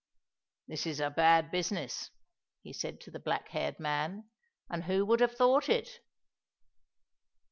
"This is a bad business," he said to the black haired man, "and who would have thought it?"